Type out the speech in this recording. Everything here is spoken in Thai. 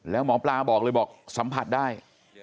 แล้วหมอปลาบอกเลยบอกสัมผัสได้